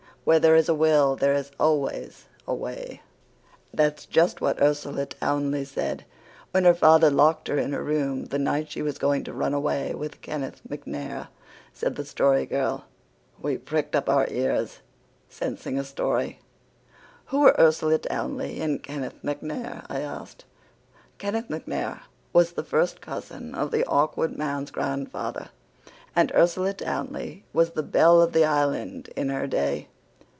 "'Where there is a will there is always a way.'" "That's just what Ursula Townley said when her father locked her in her room the night she was going to run away with Kenneth MacNair," said the Story Girl. We pricked up our ears, scenting a story. "Who were Ursula Townley and Kenneth MacNair?" I asked. "Kenneth MacNair was a first cousin of the Awkward Man's grandfather, and Ursula Townley was the belle of the Island in her day.